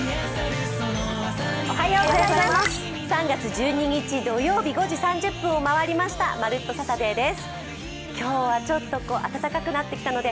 ３月１２日土曜日５時３０分を回りました。